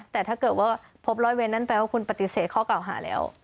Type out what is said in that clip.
แต่ถ้าเกิดว่าพบร้อยเวนนั่นแปลว่าคุณปฏิเสธข้อเก่าหาแล้ว